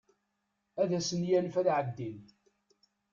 Ad asen-yanef ad ɛeddin.